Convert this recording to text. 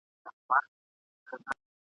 ځانونه تر سپین بولدکه ورسوئ.